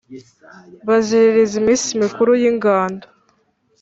Baziririza iminsi mikuru y'ingando